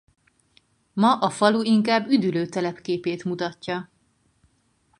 Ma a falu inkább üdülőtelep képét mutatja.